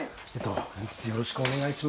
本日よろしくお願いします。